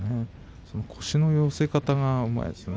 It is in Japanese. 腰の寄せ方がうまいですね。